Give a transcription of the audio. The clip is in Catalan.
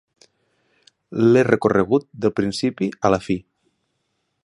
L'he recorregut del principi a la fi.